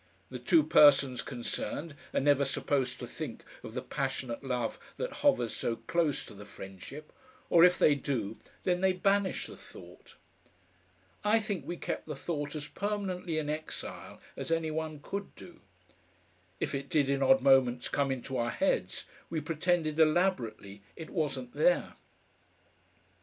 The two persons concerned are never supposed to think of the passionate love that hovers so close to the friendship, or if they do, then they banish the thought. I think we kept the thought as permanently in exile as any one could do. If it did in odd moments come into our heads we pretended elaborately it wasn't there.